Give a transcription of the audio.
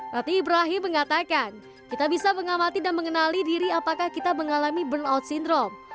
rati ibrahim mengatakan kita bisa mengamati dan mengenali diri apakah kita mengalami burnout syndrome